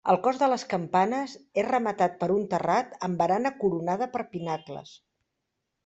El cos de les campanes és rematat per un terrat amb barana coronada per pinacles.